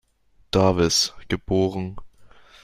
Davis, geboren.